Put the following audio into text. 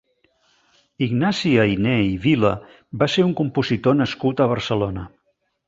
Ignasi Ayné i Vila va ser un compositor nascut a Barcelona.